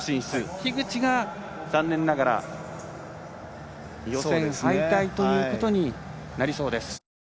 樋口が残念ながら予選敗退ということになりそうです。